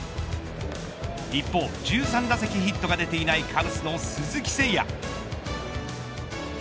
一方、１３打席ヒットが出ていないカブスの鈴木誠也。